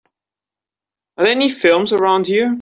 Are there any films around here